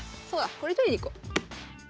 これ取りに行こ。